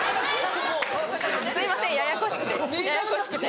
すいませんややこしくてややこしくて。